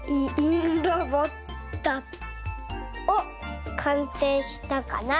おっかんせいしたかな。